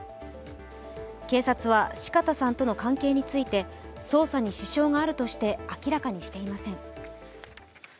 警察は四方さんとの関係について捜査に支障があるとして明らかにしていません。